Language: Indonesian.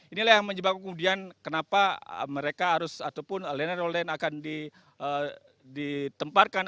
inilah yang menyebabkan kemudian kenapa mereka harus ataupun landerland akan ditemparkan